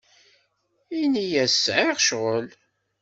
Ini-as sɛiɣ ccɣel.